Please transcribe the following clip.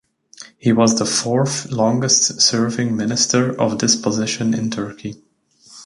He was the fourth longest-serving minister of this position in Turkey.